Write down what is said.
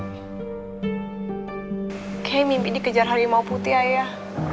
kayaknya mimpi dikejar harimau putih ayah